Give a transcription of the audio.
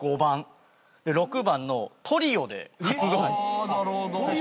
あなるほど。